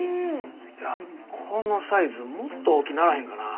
いやこのサイズもっと大きならへんかな？